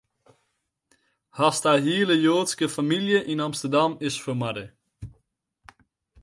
Hast har hiele Joadske famylje yn Amsterdam, is fermoarde.